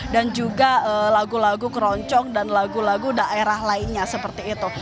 dan juga lagu lagu keroncong dan lagu lagu daerah lainnya seperti itu